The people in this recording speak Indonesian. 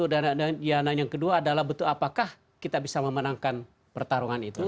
dan yang kedua adalah betul apakah kita bisa memenangkan pertarungan itu